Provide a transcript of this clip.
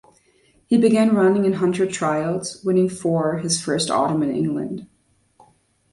He began running in hunter trials, winning four his first autumn in England.